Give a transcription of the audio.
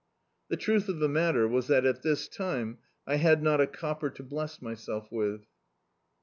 The truth of the matter was that at this time I had not a copper to bless my self with.